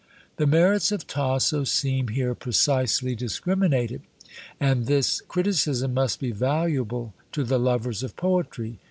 The merits of Tasso seem here precisely discriminated; and this criticism must be valuable to the lovers of poetry.